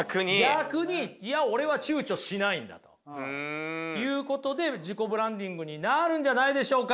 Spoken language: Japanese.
逆にいや俺は躊躇しないんだということで自己ブランディングになるんじゃないでしょうか？